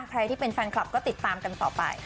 ใครที่เป็นแฟนคลับก็ติดตามกันต่อไป